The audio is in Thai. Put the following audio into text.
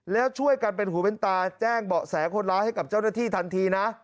แล้วช่วยกันเป็นหูเป็นตาแจ้งเบาะแสคนร้ายให้กับเจ้าหน้าที่ทันทีนะ